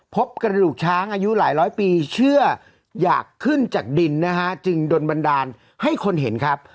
พบกระดูกช้างอายุหลายร้อยปีเชื่ออยากขึ้นจากดินนะฮะจึงโดนบันดาลให้คนเห็นครับ